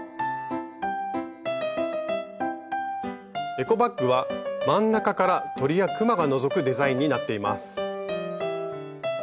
エコバッグは真ん中から鳥やくまがのぞくデザインになっています。